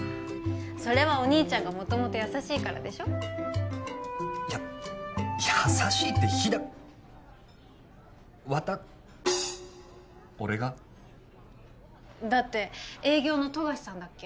それはお兄ちゃんが元々優しいからでしょや優しいって日わた俺が？だって営業の富樫さんだっけ